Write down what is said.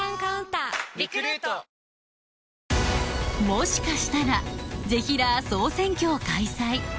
もしかしたらぜひらー総選挙を開催